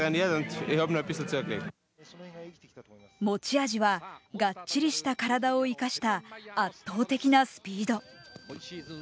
持ち味はがっちりした体を生かした圧倒的なスピード。